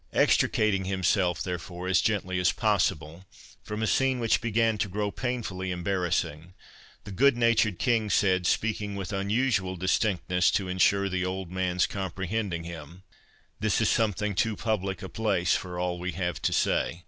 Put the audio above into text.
Extricating himself, therefore, as gently as possible, from a scene which began to grow painfully embarrassing, the good natured King said, speaking with unusual distinctness to insure the old man's comprehending him, "This is something too public a place for all we have to say.